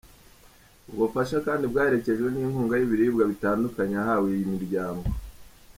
Ubwo bufasha kandi bwaherejekwe n’inkunga y’ibiribwa bitandukanye yahawe iyi miryango.